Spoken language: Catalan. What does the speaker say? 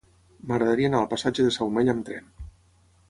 M'agradaria anar al passatge de Saumell amb tren.